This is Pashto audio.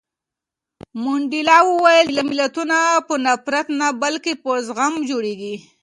منډېلا وویل چې ملتونه په نفرت نه بلکې په زغم جوړېږي.